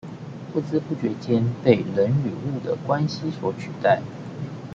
在不知不覺間被人與物的關係所取代